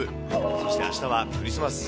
そしてあしたはクリスマス。